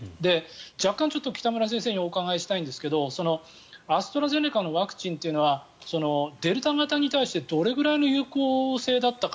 若干、北村先生にお伺いしたいんですけどアストラゼネカのワクチンというのはデルタ型に対してどれぐらいの有効性だったか。